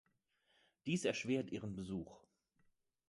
Dies erschwert ihren Besuch.